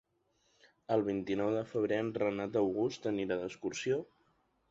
El vint-i-nou de febrer en Renat August anirà d'excursió.